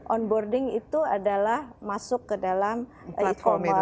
on boarding itu adalah masuk ke dalam e commerce